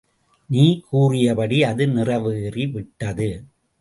நீ கூறியபடி அது நிறைவேறி விட்டது.